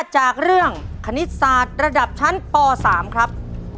จากเรื่องคณิตศาสตร์ระดับชั้นป๓ครับ